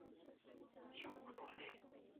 房角石是一属已灭绝的鹦鹉螺类。